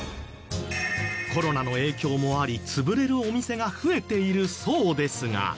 コロナの影響もあり潰れるお店が増えているそうですが。